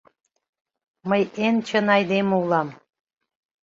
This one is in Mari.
Мый эн чын айдеме улам.